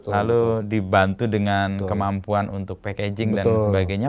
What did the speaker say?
lalu dibantu dengan kemampuan untuk packaging dan sebagainya